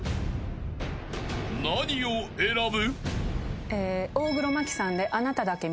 ［何を選ぶ？］